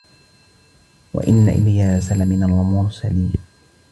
وإن إلياس لمن المرسلين